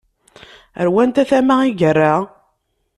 Ɣer wanta tama i yerra?